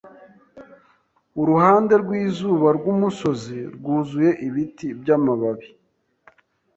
Uruhande rwizuba rwumusozi rwuzuye ibiti byamababi.